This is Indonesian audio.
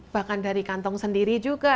bahkan dari kantong sendiri juga